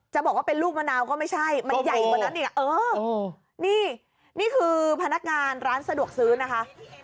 บอกว่าเป็นลูกมะนาวก็ไม่ใช่มันใหญ่กว่านั้นอีกเออนี่นี่คือพนักงานร้านสะดวกซื้อนะคะ